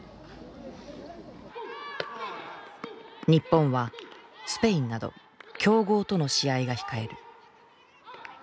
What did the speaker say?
日本はスペインなど強豪との試合が控える。